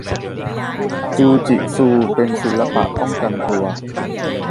จูจิซูเป็นศิลปะป้องกันตัว